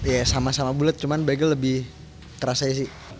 ya sama sama bulat cuman bagel lebih keras aja sih